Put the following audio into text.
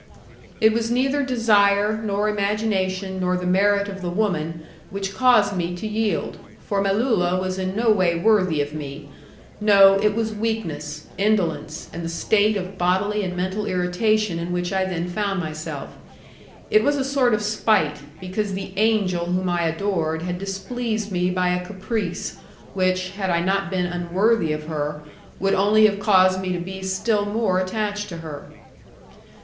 It was neither desire, nor imagination, nor the merit of the woman which caused me to yield, for Melulla was in no way worthy of me; no, it was weakness, indolence, and the state of bodily and mental irritation in which I then found myself: it was a sort of spite, because the angel whom I adored had displeased me by a caprice, which, had I not been unworthy of her, would only have caused me to be still more attached to her.